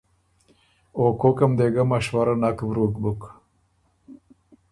او کوکم دې ګه مشوره نک ورُوک بُک۔